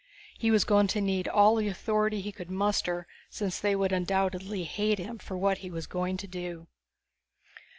He was going to need all the authority he could muster, since they would undoubtedly hate him for what he was going to do.